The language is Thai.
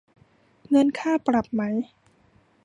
เงินค่าปรับไหม